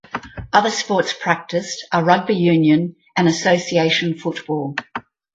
Other sports practiced are rugby union and association football.